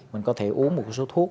mình có thể uống một số thuốc